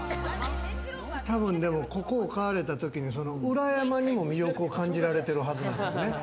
多分、でもここを買われた時に、裏山にも魅力を感じられてるはずなのよね。